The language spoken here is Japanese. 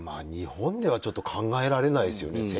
日本ではちょっと考えられないですよね。